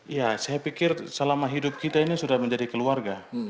ya saya pikir selama hidup kita ini sudah menjadi keluarga